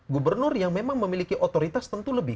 gubernur yang memang memiliki otoritas tentu lebih